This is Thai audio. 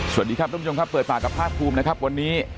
สวัสดีครับทุกผู้ชมครับเปิดปากกับภาคภูมินะครับวันนี้